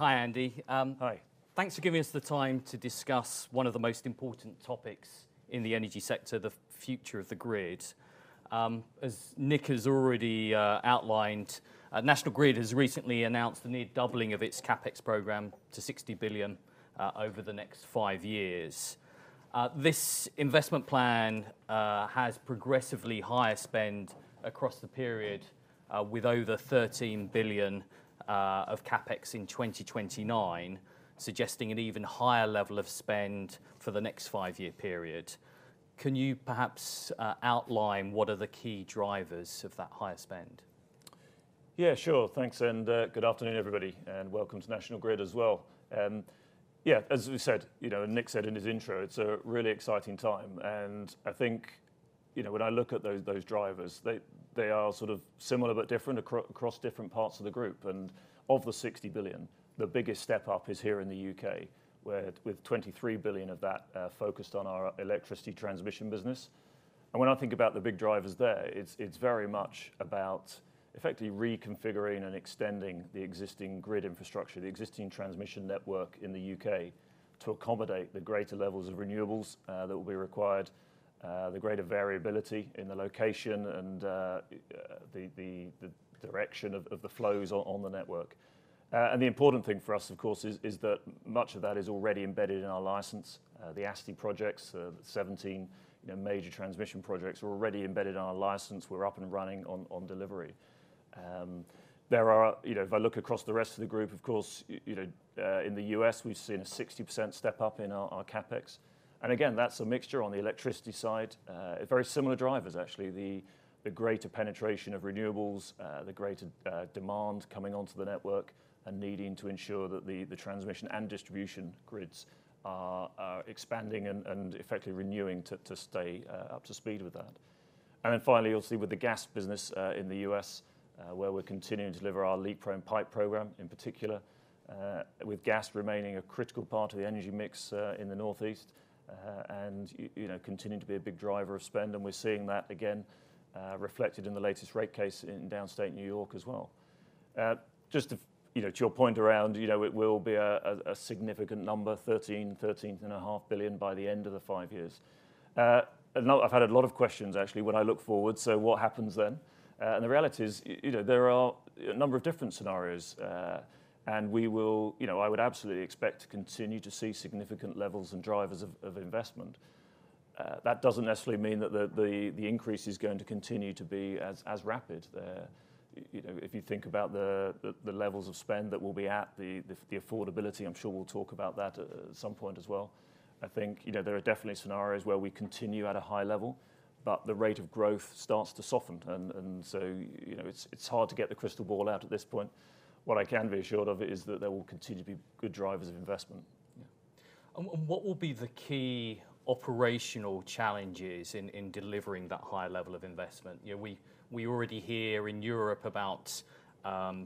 Hi, Andy. Hi. Thanks for giving us the time to discuss one of the most important topics in the energy sector, the future of the grid. As Nick has already outlined, National Grid has recently announced the near doubling of its CapEx program to 60 billion over the next five years. This investment plan has progressively higher spend across the period, with over 13 billion of CapEx in 2029, suggesting an even higher level of spend for the next five year period. Can you perhaps outline what are the key drivers of that higher spend? Yeah, sure. Thanks, and good afternoon, everybody, and welcome to National Grid as well. Yeah, as we said, you know, and Nick said in his intro, it's a really exciting time, and I think, you know, when I look at those, those drivers, they, they are sort of similar but different across different parts of the group. And of the 60 billion, the biggest step up is here in the U.K., where with 23 billion of that focused on our electricity transmission business. And when I think about the big drivers there, it's, it's very much about effectively reconfiguring and extending the existing grid infrastructure, the existing transmission network in the U.K., to accommodate the greater levels of renewables that will be required, the greater variability in the location and the, the, the direction of, of the flows on, on the network. And the important thing for us, of course, is, is that much of that is already embedded in our license. The ASTI projects, the 17, you know, major transmission projects are already embedded in our license. We're up and running on delivery. You know, if I look across the rest of the group, of course, you know, in the U.S., we've seen a 60% step up in our CapEx, and again, that's a mixture on the electricity side. Very similar drivers, actually. The greater penetration of renewables, the greater demand coming onto the network and needing to ensure that the transmission and distribution grids are expanding and effectively renewing to stay up to speed with that. And then finally, obviously, with the gas business in the US, where we're continuing to deliver our leak-prone pipe replacement program, in particular, with gas remaining a critical part of the energy mix in the Northeast, and you know, continuing to be a big driver of spend, and we're seeing that again, reflected in the latest rate case in downstate New York as well. Just to, you know, to your point around, you know, it will be a significant number, $13-$13.5 billion by the end of the five years. And I've had a lot of questions, actually, when I look forward, so what happens then? And the reality is, you know, there are a number of different scenarios, and we will... You know, I would absolutely expect to continue to see significant levels and drivers of investment. That doesn't necessarily mean that the increase is going to continue to be as rapid there. You know, if you think about the levels of spend that we'll be at, the affordability, I'm sure we'll talk about that at some point as well. I think, you know, there are definitely scenarios where we continue at a high level, but the rate of growth starts to soften and so, you know, it's hard to get the crystal ball out at this point. What I can be assured of is that there will continue to be good drivers of investment. Yeah. And what will be the key operational challenges in delivering that higher level of investment? You know, we already hear in Europe about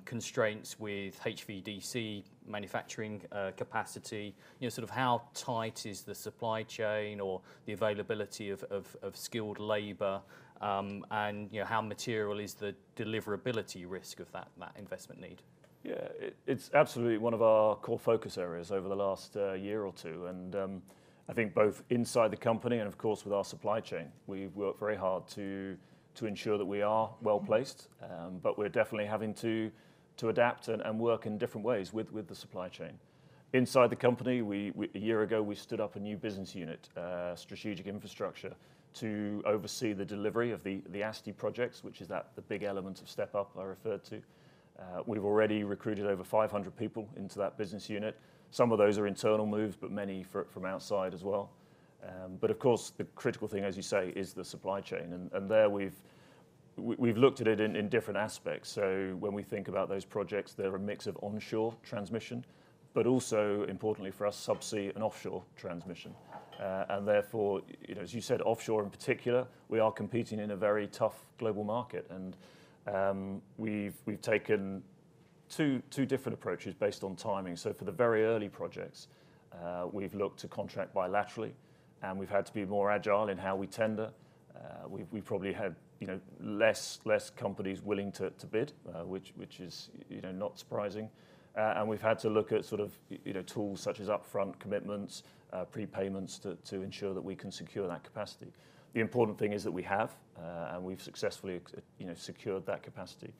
constraints with HVDC manufacturing capacity. You know, sort of how tight is the supply chain or the availability of skilled labor, and you know, how material is the deliverability risk of that investment need? Yeah, it's absolutely one of our core focus areas over the last year or two, and I think both inside the company and, of course, with our supply chain. We've worked very hard to ensure that we are well-placed, but we're definitely having to adapt and work in different ways with the supply chain. Inside the company, a year ago, we stood up a new business unit, Strategic Infrastructure, to oversee the delivery of the ASTI projects, which is the big element of step up I referred to. We've already recruited over 500 people into that business unit. Some of those are internal moves, but many from outside as well. But of course, the critical thing, as you say, is the supply chain, and there we've looked at it in different aspects. So when we think about those projects, they're a mix of onshore transmission, but also importantly for us, subsea and offshore transmission. And therefore, you know, as you said, offshore in particular, we are competing in a very tough global market, and we've taken two different approaches based on timing. So for the very early projects, we've looked to contract bilaterally, and we've had to be more agile in how we tender. We've probably had, you know, less companies willing to bid, which is, you know, not surprising. And we've had to look at sort of, you know, tools such as upfront commitments, prepayments, to ensure that we can secure that capacity. The important thing is that we have, and we've successfully, you know, secured that capacity.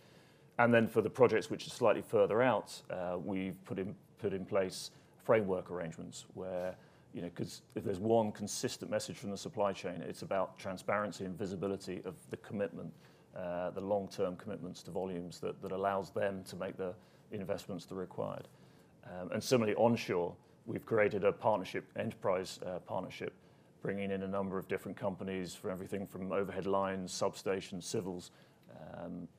And then for the projects which are slightly further out, we've put in place framework arrangements where, you know, 'cause if there's one consistent message from the supply chain, it's about transparency and visibility of the commitment, the long-term commitments to volumes that allows them to make the investments they're required. And similarly, onshore, we've created a partnership enterprise, partnership, bringing in a number of different companies for everything from overhead lines, substations, civils,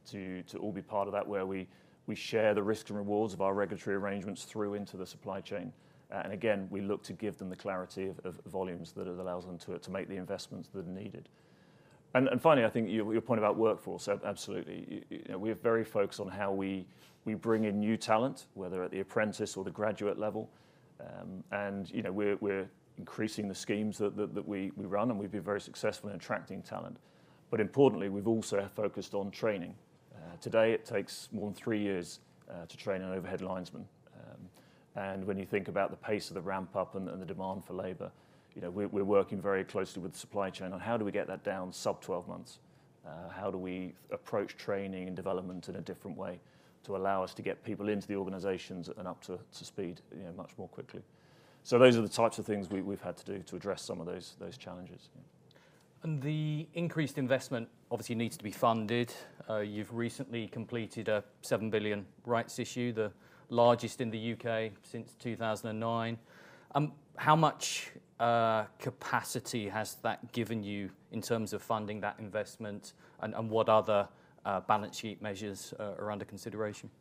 to all be part of that, where we share the risks and rewards of our regulatory arrangements through into the supply chain. And again, we look to give them the clarity of volumes that allows them to make the investments that are needed. And finally, I think your point about workforce, absolutely. You know, we are very focused on how we bring in new talent, whether at the apprentice or the graduate level. And you know, we're increasing the schemes that we run, and we've been very successful in attracting talent. But importantly, we've also focused on training. Today, it takes more than three years to train an overhead linesman, and when you think about the pace of the ramp up and the demand for labor, you know, we're working very closely with the supply chain on how do we get that down sub 12 months? How do we approach training and development in a different way to allow us to get people into the organizations and up to speed, you know, much more quickly? So those are the types of things we've had to do to address some of those challenges. The increased investment obviously needs to be funded. You've recently completed a 7 billion rights issue, the largest in the U.K. since 2009. How much capacity has that given you in terms of funding that investment, and what other balance sheet measures are under consideration?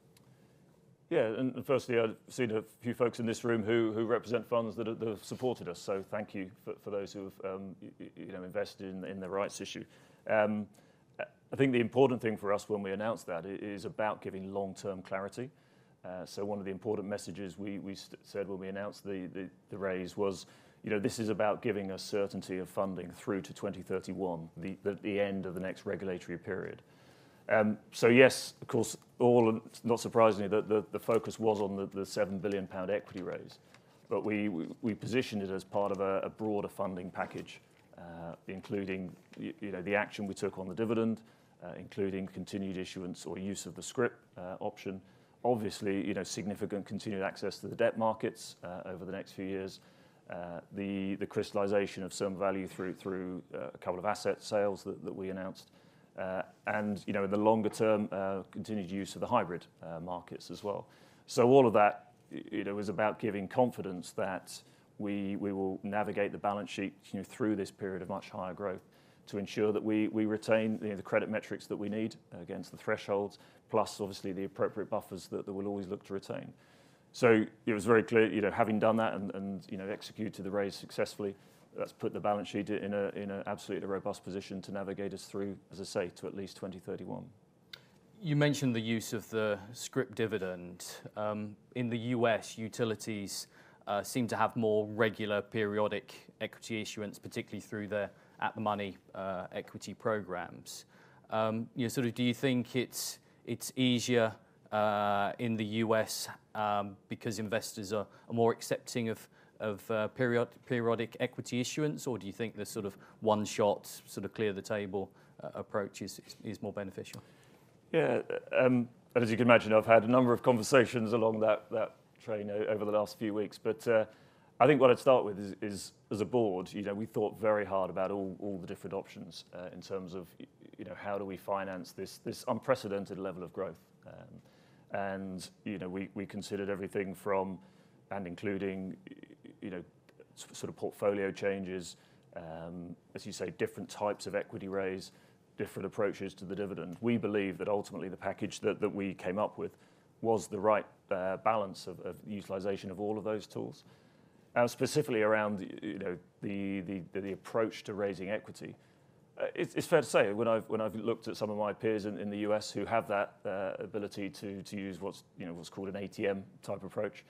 Yeah, and firstly, I've seen a few folks in this room who represent funds that have supported us, so thank you for those who have, you know, invested in the rights issue. I think the important thing for us when we announced that is about giving long-term clarity. So one of the important messages we said when we announced the raise was, you know, this is about giving us certainty of funding through to 2031, the end of the next regulatory period. So yes, of course, all of... Not surprisingly, the focus was on the 7 billion pound equity raise, but we positioned it as part of a broader funding package, you know, the action we took on the dividend, including continued issuance or use of the scrip option. Obviously, you know, significant continued access to the debt markets over the next few years. The crystallization of some value through a couple of asset sales that we announced. And, you know, in the longer term, continued use of the hybrid markets as well. So all of that, you know, was about giving confidence that we will navigate the balance sheet, you know, through this period of much higher growth to ensure that we retain the credit metrics that we need against the thresholds, plus obviously, the appropriate buffers that we'll always look to retain. So it was very clear, you know, having done that and, you know, executed the raise successfully, that's put the balance sheet in an absolutely robust position to navigate us through, as I say, to at least 2031. You mentioned the use of the scrip dividend. In the U.S., utilities seem to have more regular periodic equity issuance, particularly through the at-the-market equity programs. You know, sort of do you think it's easier in the U.S. because investors are more accepting of periodic equity issuance? Or do you think the sort of one-shot, sort of clear the table approach is more beneficial? Yeah, as you can imagine, I've had a number of conversations along that train over the last few weeks, but I think what I'd start with is, as a board, you know, we thought very hard about all the different options in terms of, you know, how do we finance this unprecedented level of growth? And, you know, we considered everything from, and including, you know, sort of portfolio changes, as you say, different types of equity raise, different approaches to the dividend. We believe that ultimately, the package that we came up with was the right balance of utilization of all of those tools. And specifically around, you know, the approach to raising equity. It's fair to say, when I've looked at some of my peers in the US who have that ability to use what's, you know, what's called an ATM type approach,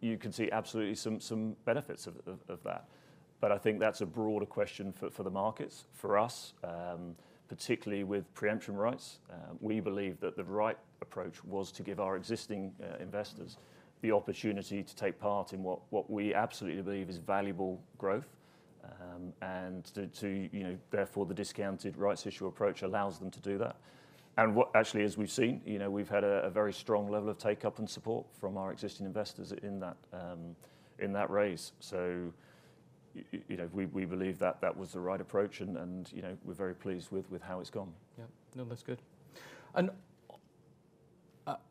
you can see absolutely some benefits of that. But I think that's a broader question for the markets. For us, particularly with pre-emption rights, we believe that the right approach was to give our existing investors the opportunity to take part in what we absolutely believe is valuable growth. And to, you know, therefore, the discounted rights issue approach allows them to do that. And what actually, as we've seen, you know, we've had a very strong level of take-up and support from our existing investors in that raise. So, you know, we believe that that was the right approach and, you know, we're very pleased with how it's gone. Yeah. No, that's good. And,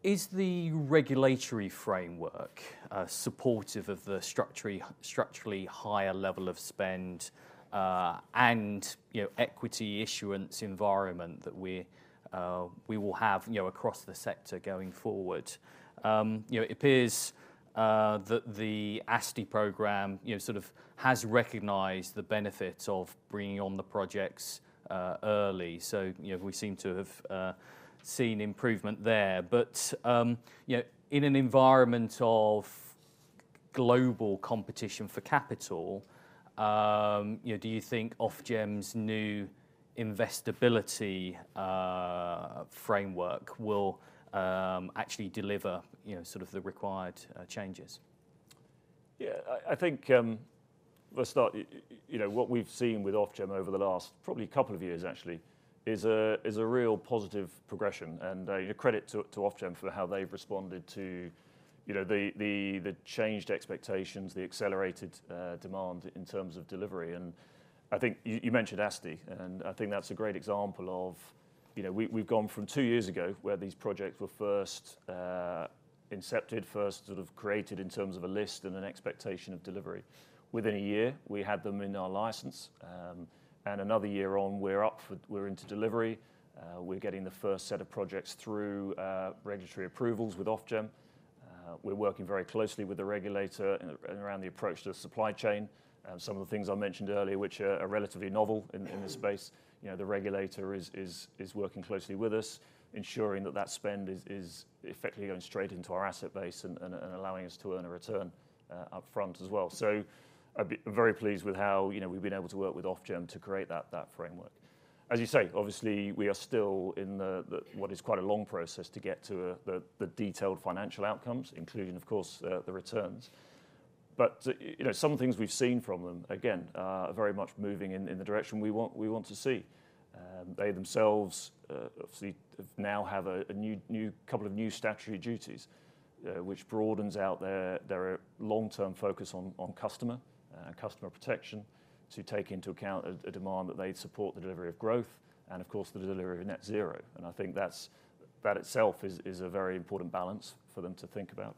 is the regulatory framework, supportive of the structurally higher level of spend, and, you know, equity issuance environment that we're, we will have, you know, across the sector going forward? You know, it appears, that the ASTI programme, you know, sort of has recognized the benefits of bringing on the projects, early. So, you know, we seem to have, seen improvement there. But, you know, in an environment of global competition for capital, you know, do you think Ofgem's new investability framework will, actually deliver, you know, sort of the required, changes? Yeah, I, I think, let's start, you know, what we've seen with Ofgem over the last probably couple of years actually, is a, is a real positive progression, and, credit to, to Ofgem for how they've responded to, you know, the changed expectations, the accelerated, demand in terms of delivery. And I think you, you mentioned ASTI, and I think that's a great example of, you know, we, we've gone from two years ago, where these projects were first, incepted, first sort of created in terms of a list and an expectation of delivery. Within a year, we had them in our license, and another year on, we're up for-- we're into delivery. We're getting the first set of projects through, regulatory approvals with Ofgem. We're working very closely with the regulator and around the approach to the supply chain. Some of the things I mentioned earlier, which are relatively novel in this space. You know, the regulator is working closely with us, ensuring that spend is effectively going straight into our asset base and allowing us to earn a return upfront as well. So I'd be very pleased with how, you know, we've been able to work with Ofgem to create that framework. As you say, obviously, we are still in the what is quite a long process to get to the detailed financial outcomes, including, of course, the returns. But, you know, some things we've seen from them, again, are very much moving in the direction we want to see. They themselves obviously have a couple of new statutory duties, which broadens out their long-term focus on customer protection, to take into account a demand that they support the delivery of growth and, of course, the delivery of net zero. And I think that's itself is a very important balance for them to think about.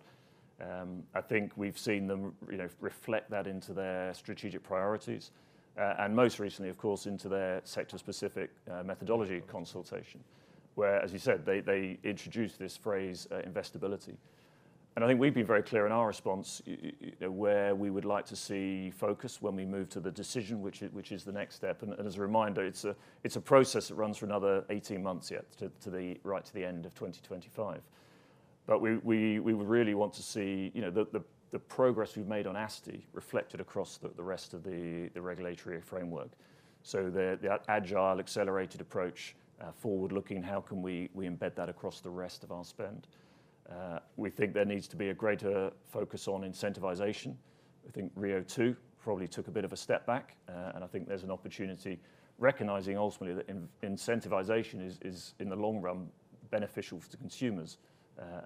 I think we've seen them, you know, reflect that into their strategic priorities and most recently, of course, into their Sector-Specific Methodology Consultation, where, as you said, they introduced this phrase investability. And I think we've been very clear in our response where we would like to see focus when we move to the decision, which is the next step. As a reminder, it's a process that runs for another 18 months yet, to the right to the end of 2025. But we would really want to see, you know, the progress we've made on ASTI reflected across the rest of the regulatory framework. So the agile, accelerated approach, forward-looking, how can we embed that across the rest of our spend? We think there needs to be a greater focus on incentivization. I think RIIO-2 probably took a bit of a step back, and I think there's an opportunity, recognizing ultimately that incentivization is, in the long run, beneficial to consumers,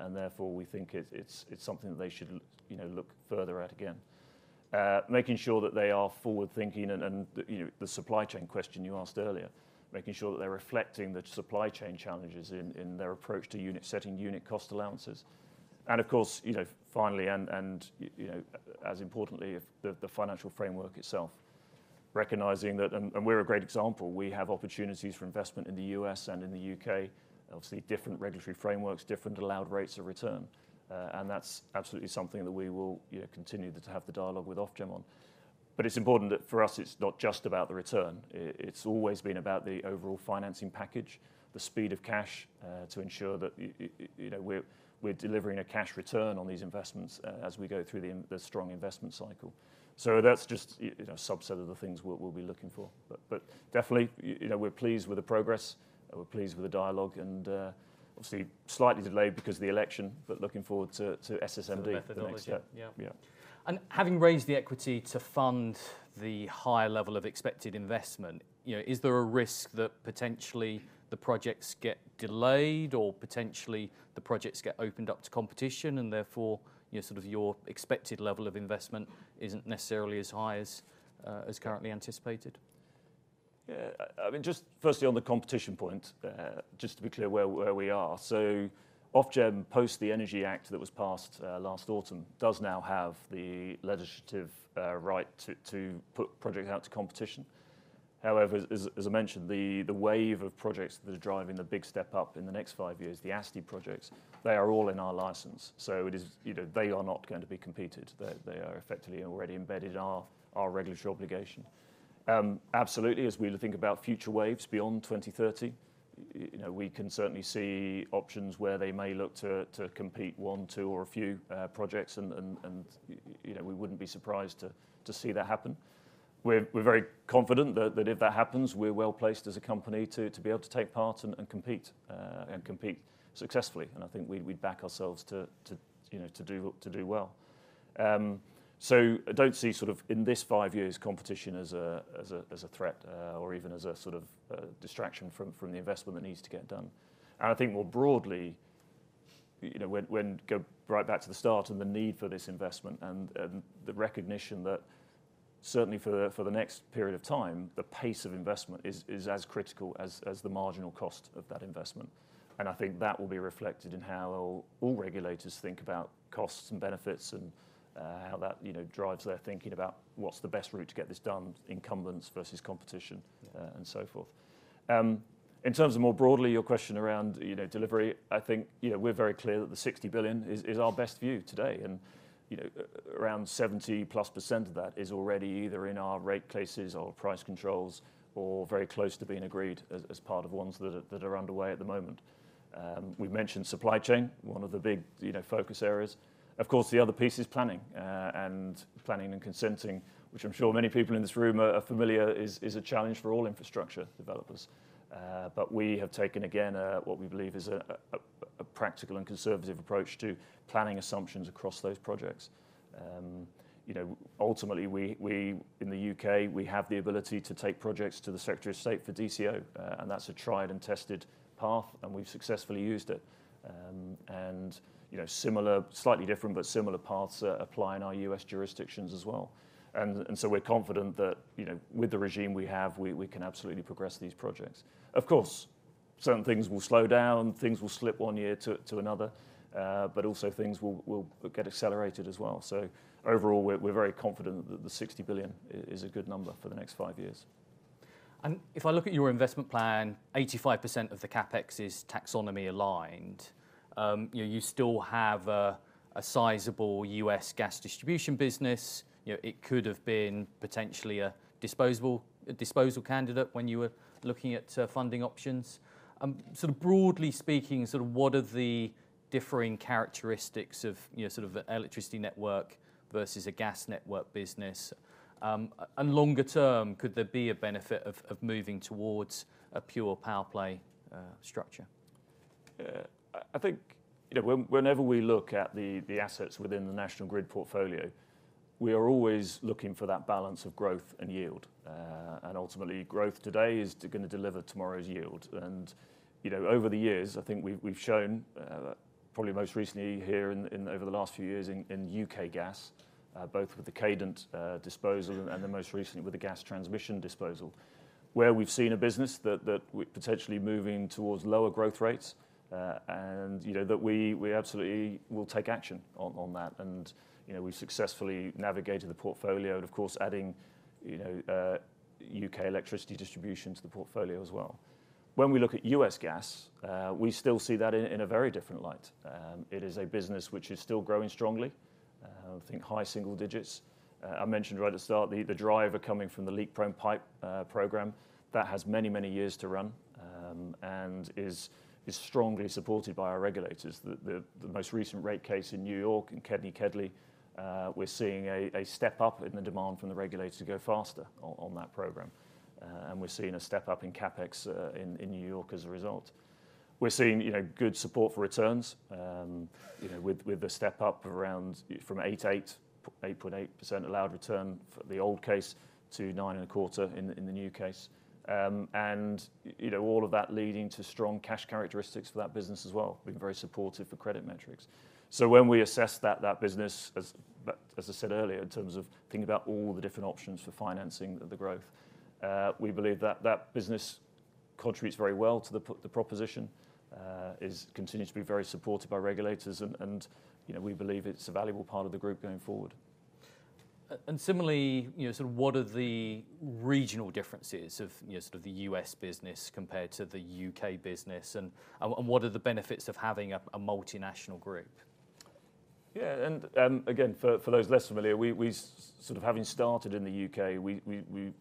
and therefore, we think it's something that they should, you know, look further at again. Making sure that they are forward-thinking and, you know, the supply chain question you asked earlier, making sure that they're reflecting the supply chain challenges in their approach to unit, setting unit cost allowances. And of course, you know, finally, as importantly, if the financial framework itself, recognizing that... And we're a great example. We have opportunities for investment in the U.S. and in the U.K. Obviously, different regulatory frameworks, different allowed rates of return, and that's absolutely something that we will, you know, continue to have the dialogue with Ofgem on. But it's important that for us, it's not just about the return. It's always been about the overall financing package, the speed of cash, to ensure that, you know, we're delivering a cash return on these investments as we go through the strong investment cycle. So that's just, you know, a subset of the things we're, we'll be looking for. But definitely, you know, we're pleased with the progress, and we're pleased with the dialogue, and obviously, slightly delayed because of the election, but looking forward to SSMD- The methodology the next step. Yeah. Yeah. Having raised the equity to fund the higher level of expected investment, you know, is there a risk that potentially the projects get delayed, or potentially the projects get opened up to competition, and therefore, you know, sort of your expected level of investment isn't necessarily as high as, as currently anticipated? Yeah, I mean, just firstly, on the competition point, just to be clear where we are. So Ofgem, post the Energy Act that was passed last autumn, does now have the legislative right to put project out to competition. However, as I mentioned, the wave of projects that are driving the big step up in the next five years, the ASTI projects, they are all in our license, so it is. You know, they are not going to be competed. They are effectively already embedded in our regulatory obligation. Absolutely, as we think about future waves beyond 2030, you know, we can certainly see options where they may look to compete one, two, or a few projects, and you know, we wouldn't be surprised to see that happen. We're very confident that if that happens, we're well placed as a company to be able to take part and compete successfully, and I think we'd back ourselves to, you know, to do well. So I don't see, sort of, in this five years, competition as a threat or even as a sort of distraction from the investment that needs to get done. And I think more broadly, you know, when we go right back to the start and the need for this investment and the recognition that certainly for the next period of time, the pace of investment is as critical as the marginal cost of that investment. I think that will be reflected in how all regulators think about costs and benefits and, how that, you know, drives their thinking about what's the best route to get this done, incumbents versus competition, and so forth. In terms of more broadly, your question around, you know, delivery, I think, you know, we're very clear that the 60 billion is our best view today, and, you know, around 70%+ of that is already either in our rate cases or price controls or very close to being agreed as part of ones that are underway at the moment. We've mentioned supply chain, one of the big, you know, focus areas. Of course, the other piece is planning and planning and consenting, which I'm sure many people in this room are familiar, is a challenge for all infrastructure developers. But we have taken, again, what we believe is a practical and conservative approach to planning assumptions across those projects. You know, ultimately, we in the U.K. have the ability to take projects to the Secretary of State for DCO, and that's a tried and tested path, and we've successfully used it. And, you know, similar, slightly different, but similar paths apply in our U.S. jurisdictions as well. And so we're confident that, you know, with the regime we have, we can absolutely progress these projects. Of course, certain things will slow down, things will slip one year to another, but also things will get accelerated as well. So overall, we're very confident that the 60 billion is a good number for the next five years. If I look at your investment plan, 85% of the CapEx is Taxonomy-aligned. You know, you still have a sizable US gas distribution business. You know, it could have been potentially a disposable... disposal candidate when you were looking at funding options. Sort of broadly speaking, sort of what are the differing characteristics of, you know, sort of an electricity network versus a gas network business? And longer term, could there be a benefit of moving towards a pure power play structure?... I think, you know, whenever we look at the assets within the National Grid portfolio, we are always looking for that balance of growth and yield. And ultimately, growth today is gonna deliver tomorrow's yield. And, you know, over the years, I think we've shown, probably most recently here in over the last few years in U.K. Gas, both with the Cadent disposal and then most recently with the gas transmission disposal, where we've seen a business that we're potentially moving towards lower growth rates, and, you know, that we absolutely will take action on that. And, you know, we've successfully navigated the portfolio and, of course, adding, you know, U.K. electricity distribution to the portfolio as well. When we look at US Gas, we still see that in a very different light. It is a business which is still growing strongly, I think high single digits. I mentioned right at the start, the driver coming from the leak-prone pipe program, that has many, many years to run, and is strongly supported by our regulators. The most recent rate case in New York, in the city, in the state, we're seeing a step up in the demand from the regulators to go faster on that program. And we're seeing a step up in CapEx in New York as a result. We're seeing, you know, good support for returns, you know, with, with a step up around from 8.8% allowed return for the old case to 9.25% in the new case. And, you know, all of that leading to strong cash characteristics for that business as well, being very supportive for credit metrics. So when we assess that business, as I said earlier, in terms of thinking about all the different options for financing the growth, we believe that that business contributes very well to the proposition, is continuing to be very supported by regulators and, you know, we believe it's a valuable part of the group going forward. and similarly, you know, sort of what are the regional differences of, you know, sort of the U.S. business compared to the U.K. business? And what are the benefits of having a multinational group? Yeah, again, for those less familiar, we sort of having started in the U.K., we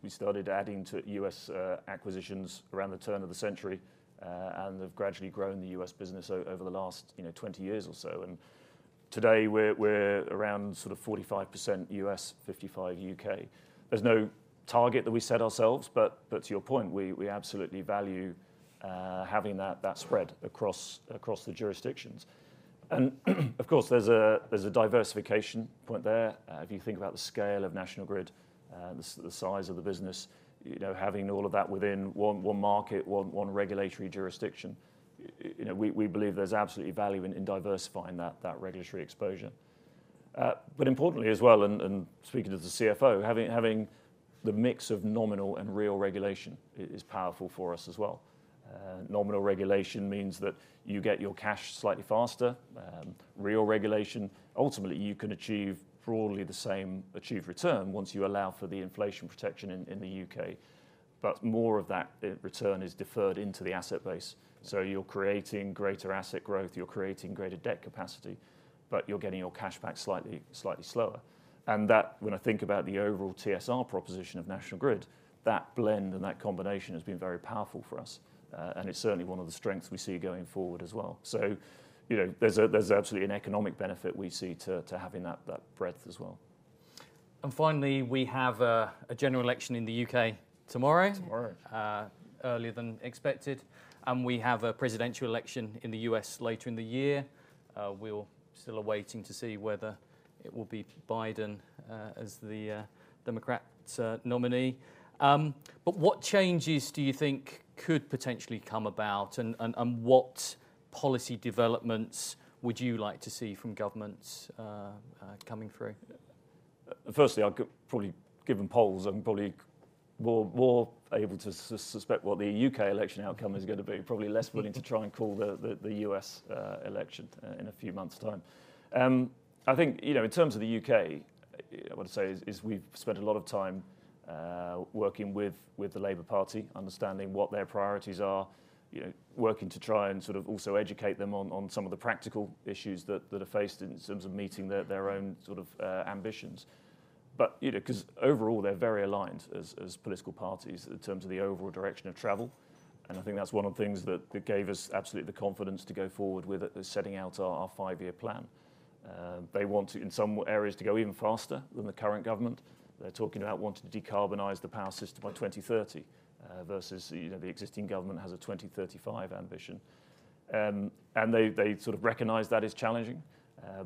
started adding to U.S. acquisitions around the turn of the century, and have gradually grown the U.S. business over the last, you know, 20 years or so. And today, we're around sort of 45% U.S., 55% U.K. There's no target that we set ourselves, but to your point, we absolutely value having that spread across the jurisdictions. And of course, there's a diversification point there. If you think about the scale of National Grid, the size of the business, you know, having all of that within one market, one regulatory jurisdiction, you know, we believe there's absolutely value in diversifying that regulatory exposure. But importantly as well, speaking as the CFO, having the mix of nominal and real regulation is powerful for us as well. Nominal regulation means that you get your cash slightly faster. Real regulation, ultimately, you can achieve broadly the same achieved return once you allow for the inflation protection in the U.K. But more of that return is deferred into the asset base. So you're creating greater asset growth, you're creating greater debt capacity, but you're getting your cash back slightly, slightly slower. And that, when I think about the overall TSR proposition of National Grid, that blend and that combination has been very powerful for us, and it's certainly one of the strengths we see going forward as well. You know, there's absolutely an economic benefit we see to having that breadth as well. Finally, we have a general election in the U.K. tomorrow. Tomorrow. Earlier than expected, and we have a presidential election in the U.S. later in the year. We're still are waiting to see whether it will be Biden as the Democrat's nominee. But what changes do you think could potentially come about, and what policy developments would you like to see from governments coming through? Firstly, I'll probably, given polls, I'm probably more able to suspect what the U.K. election outcome is gonna be, probably less willing to try and call the U.S. election in a few months' time. I think, you know, in terms of the U.K., what I'd say is we've spent a lot of time working with the Labour Party, understanding what their priorities are, you know, working to try and sort of also educate them on some of the practical issues that are faced in terms of meeting their own sort of ambitions. But, you know, 'cause overall, they're very aligned as, as political parties in terms of the overall direction of travel, and I think that's one of the things that, that gave us absolutely the confidence to go forward with, setting out our, our five-year plan. They want to, in some areas, to go even faster than the current government. They're talking about wanting to decarbonize the power system by 2030, versus, you know, the existing government has a 2035 ambition. And they, they sort of recognize that as challenging,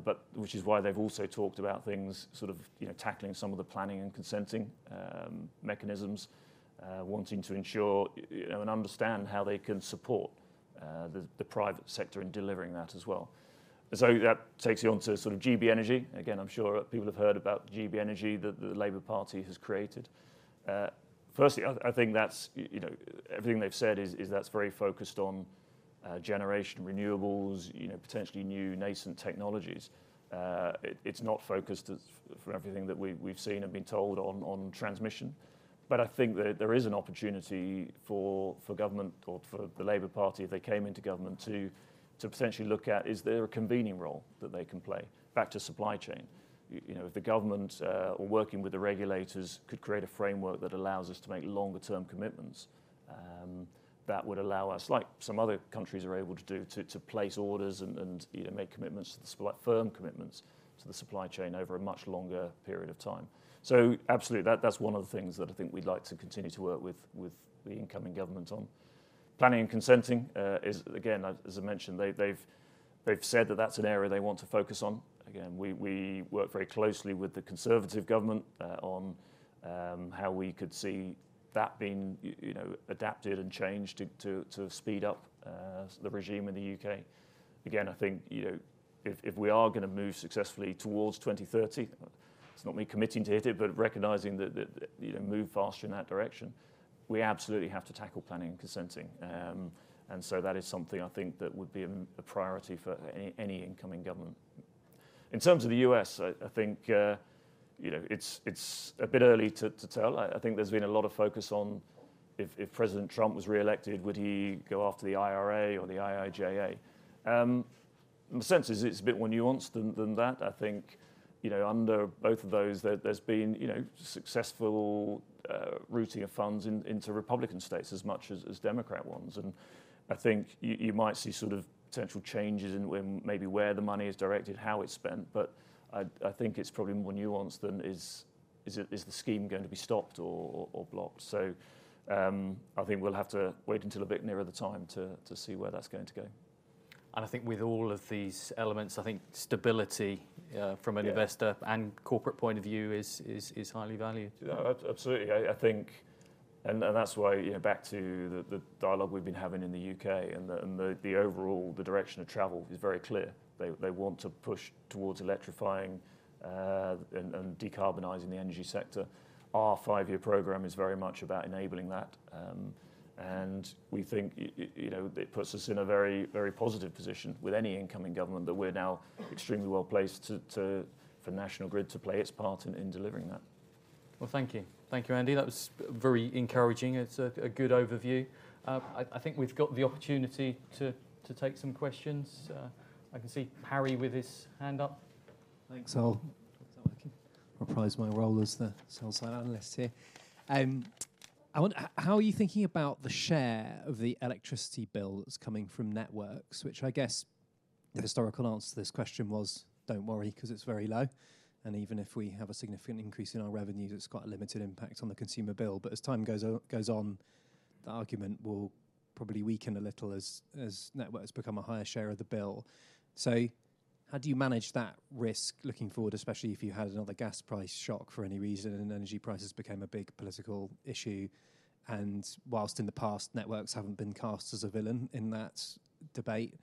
but which is why they've also talked about things sort of, you know, tackling some of the planning and consenting, mechanisms, wanting to ensure, you know, and understand how they can support, the private sector in delivering that as well. So that takes you on to sort of GB Energy. Again, I'm sure people have heard about GB Energy that the Labour Party has created. Firstly, I think that's, you know, everything they've said is that's very focused on generation renewables, you know, potentially new nascent technologies. It's not focused as, from everything that we've seen and been told on transmission. But I think that there is an opportunity for government or for the Labour Party, if they came into government, to potentially look at, is there a convening role that they can play back to supply chain? You know, if the government or working with the regulators could create a framework that allows us to make longer term commitments, that would allow us, like some other countries are able to do, to place orders and make commitments to the supply chain, firm commitments to the supply chain over a much longer period of time. So absolutely, that's one of the things that I think we'd like to continue to work with the incoming government on. Planning and consenting is, again, as I mentioned, they've said that that's an area they want to focus on. Again, we work very closely with the Conservative government on how we could see that being, you know, adapted and changed to speed up the regime in the U.K. Again, I think, you know, if we are gonna move successfully towards 2030, it's not me committing to hit it, but recognizing that the, you know, move faster in that direction, we absolutely have to tackle planning and consenting. And so that is something I think that would be a priority for any incoming government. In terms of the U.S., I think, you know, it's a bit early to tell. I think there's been a lot of focus on if President Trump was re-elected, would he go after the IRA or the IIJA? My sense is it's a bit more nuanced than that. I think, you know, under both of those, there, there's been, you know, successful routing of funds in, into Republican states as much as, as Democrat ones, and I think you, you might see sort of potential changes in when maybe where the money is directed, how it's spent, but I, I think it's probably more nuanced than is, is it-- is the scheme going to be stopped or, or blocked? So, I think we'll have to wait until a bit nearer the time to, to see where that's going to go. I think with all of these elements, I think stability, from an- Yeah Investor and corporate point of view is highly valued. Yeah, absolutely. I think, and that's why, you know, back to the dialogue we've been having in the U.K., and the overall, the direction of travel is very clear. They want to push towards electrifying and decarbonizing the energy sector. Our five-year program is very much about enabling that. And we think, you know, it puts us in a very, very positive position with any incoming government, that we're now extremely well placed to for National Grid to play its part in delivering that. Well, thank you. Thank you, Andy. That was very encouraging. It's a good overview. I think we've got the opportunity to take some questions. I can see Harry with his hand up. Thanks. I'll reprise my role as the sell-side analyst here. I wonder, how are you thinking about the share of the electricity bill that's coming from networks, which I guess the historical answer to this question was, "Don't worry, 'cause it's very low, and even if we have a significant increase in our revenues, it's got a limited impact on the consumer bill." But as time goes on, the argument will probably weaken a little as networks become a higher share of the bill. So how do you manage that risk looking forward, especially if you had another gas price shock for any reason, and energy prices became a big political issue, and while in the past, networks haven't been cast as a villain in that debate,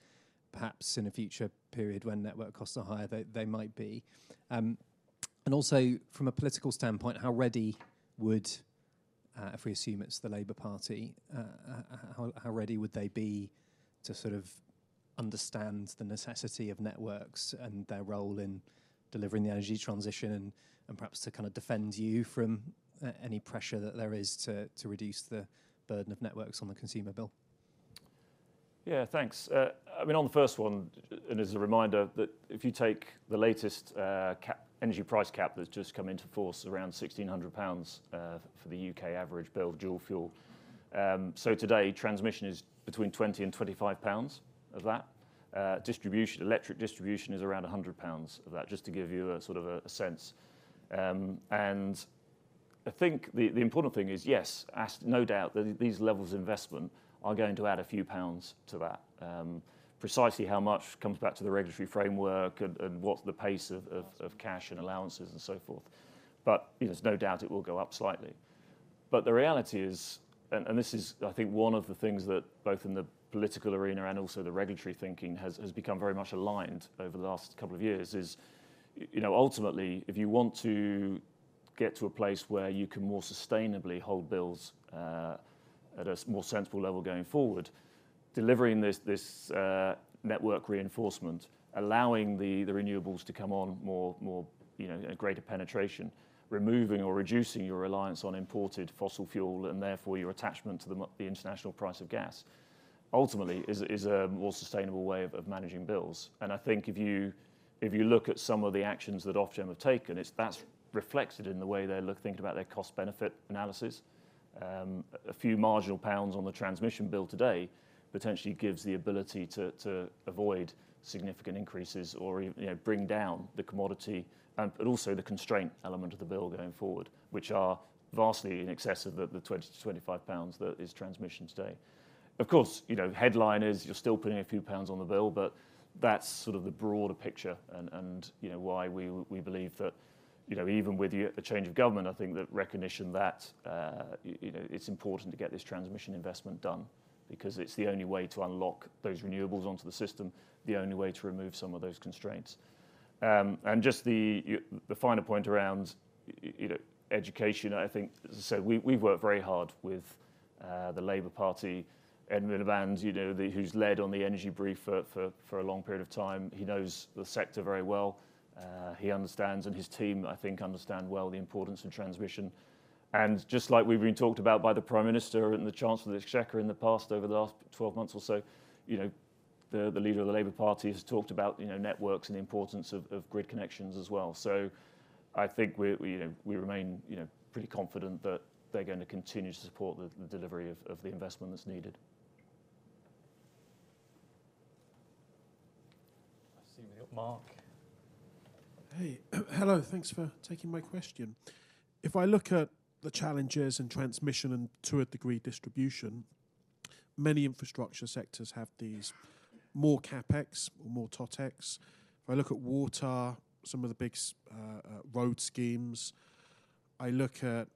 perhaps in a future period when network costs are higher, they might be. And also from a political standpoint, how ready would, if we assume it's the Labour Party, how ready would they be to sort of understand the necessity of networks and their role in delivering the energy transition, and perhaps to kind of defend you from any pressure that there is to reduce the burden of networks on the consumer bill? Yeah, thanks. I mean, on the first one, and as a reminder, that if you take the latest energy price cap that's just come into force, around 1,600 pounds, for the U.K. average bill of dual fuel. So today, transmission is between 20 and 25 pounds of that. Distribution, electric distribution is around 100 pounds of that, just to give you a sense. And I think the important thing is, yes, as no doubt that these levels of investment are going to add a few GBP to that. Precisely how much comes back to the regulatory framework and what's the pace of cash and allowances and so forth. But, you know, there's no doubt it will go up slightly. But the reality is, and this is, I think, one of the things that both in the political arena and also the regulatory thinking has become very much aligned over the last couple of years, is, you know, ultimately if you want to get to a place where you can more sustainably hold bills at a more sensible level going forward, delivering this network reinforcement, allowing the renewables to come on more, you know, a greater penetration, removing or reducing your reliance on imported fossil fuel, and therefore your attachment to the international price of gas, ultimately is a more sustainable way of managing bills. And I think if you look at some of the actions that Ofgem have taken, it's that that's reflected in the way they look, think about their cost-benefit analysis. A few marginal pounds on the transmission bill today potentially gives the ability to avoid significant increases or even you know, bring down the commodity, but also the constraint element of the bill going forward, which are vastly in excess of the 20-25 pounds that is transmission today. Of course, you know, the headline is you're still putting a few GBP on the bill, but that's sort of the broader picture and you know, why we believe that, you know, even with the change of government, I think that recognition that you know, it's important to get this transmission investment done because it's the only way to unlock those renewables onto the system, the only way to remove some of those constraints. And just the finer point around, you know, education, I think, as I said, we, we've worked very hard with the Labour Party. Ed Miliband, you know, the, who's led on the energy brief for a long period of time, he knows the sector very well. He understands and his team, I think, understand well the importance of transmission. And just like we've been talked about by the Prime Minister and the Chancellor of the Exchequer in the past, over the last 12 months or so, you know, the leader of the Labour Party has talked about, you know, networks and the importance of grid connections as well. So I think we, we, you know, we remain, you know, pretty confident that they're going to continue to support the delivery of the investment that's needed. I see we got Mark.... Hey, hello. Thanks for taking my question. If I look at the challenges in transmission and to a degree, distribution, many infrastructure sectors have these more CapEx or more TotEx. If I look at water, some of the big road schemes, I look at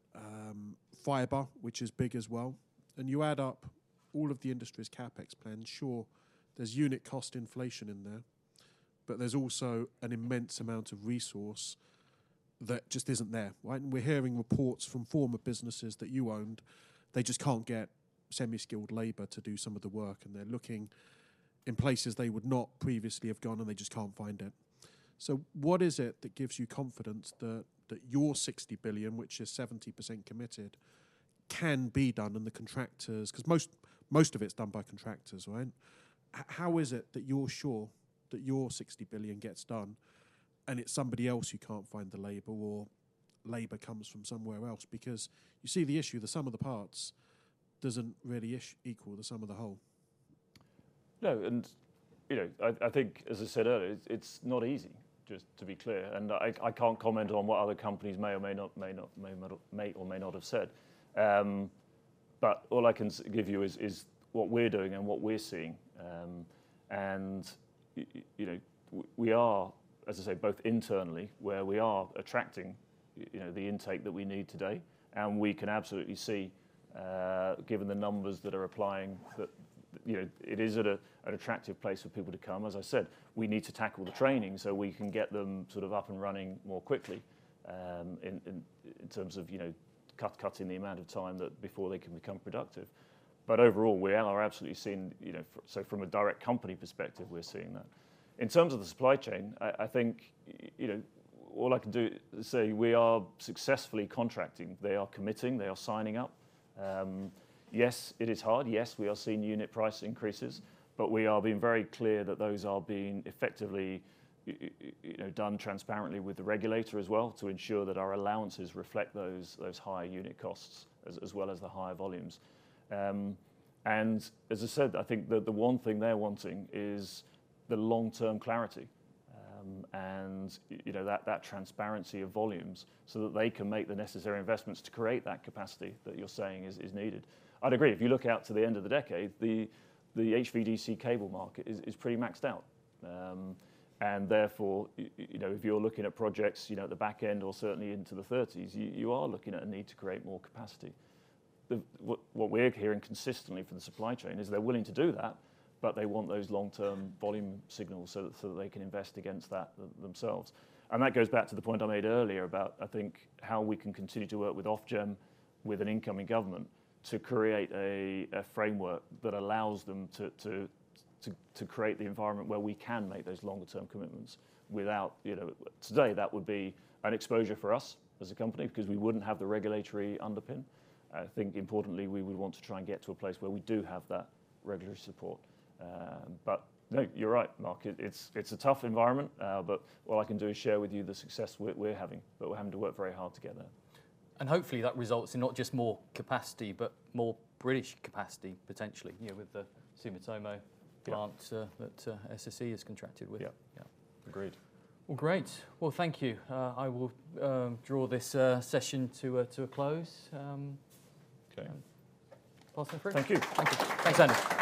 fiber, which is big as well, and you add up all of the industry's CapEx plans, sure, there's unit cost inflation in there, but there's also an immense amount of resource that just isn't there, right? And we're hearing reports from former businesses that you owned, they just can't get semi-skilled labor to do some of the work, and they're looking in places they would not previously have gone, and they just can't find it. So what is it that gives you confidence that your 60 billion, which is 70% committed, can be done and the contractors—'cause most of it's done by contractors, right? How is it that you're sure that your 60 billion gets done, and it's somebody else who can't find the labor or labor comes from somewhere else? Because you see the issue, the sum of the parts doesn't really equal the sum of the whole. No, and you know, I think, as I said earlier, it's not easy, just to be clear, and I can't comment on what other companies may or may not have said. But all I can give you is what we're doing and what we're seeing. And you know, we are, as I say, both internally, where we are attracting, you know, the intake that we need today, and we can absolutely see, given the numbers that are applying, that, you know, it is at an attractive place for people to come. As I said, we need to tackle the training so we can get them sort of up and running more quickly, in terms of, you know, cutting the amount of time that before they can become productive. But overall, we are absolutely seeing, you know. So from a direct company perspective, we're seeing that. In terms of the supply chain, I think, you know, all I can do is say we are successfully contracting. They are committing. They are signing up. Yes, it is hard. Yes, we are seeing unit price increases, but we are being very clear that those are being effectively, you know, done transparently with the regulator as well, to ensure that our allowances reflect those higher unit costs, as well as the higher volumes. As I said, I think the one thing they're wanting is the long-term clarity, and, you know, that transparency of volumes so that they can make the necessary investments to create that capacity that you're saying is needed. I'd agree, if you look out to the end of the decade, the HVDC cable market is pretty maxed out. And therefore, you know, if you're looking at projects, you know, at the back end or certainly into the thirties, you are looking at a need to create more capacity. What we're hearing consistently from the supply chain is they're willing to do that, but they want those long-term volume signals so that they can invest against that themselves. And that goes back to the point I made earlier about, I think, how we can continue to work with Ofgem, with an incoming government, to create a framework that allows them to create the environment where we can make those longer-term commitments without... You know, today, that would be an exposure for us as a company because we wouldn't have the regulatory underpin. I think importantly, we would want to try and get to a place where we do have that regulatory support. But no, you're right, Mark. It's a tough environment, but all I can do is share with you the success we're having, but we're having to work very hard to get there. Hopefully, that results in not just more capacity, but more British capacity, potentially, you know, with the Sumitomo- Yeah... plant, that, SSE has contracted with. Yeah. Yeah. Agreed. Well, great. Well, thank you. I will draw this session to a close. Okay. Awesome. Thank you. Thank you. Thanks, Andrew.